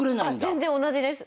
全然同じです。